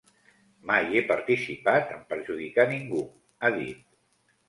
Mai he participat en perjudicar ningú, ha dit.